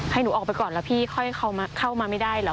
หนูออกไปก่อนแล้วพี่ค่อยเข้ามาไม่ได้เหรอ